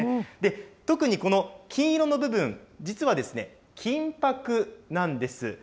特にこの金色の部分、実は金ぱくなんです。